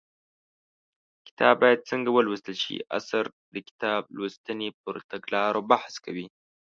کتاب باید څنګه ولوستل شي اثر د کتاب لوستنې پر تګلارو بحث کوي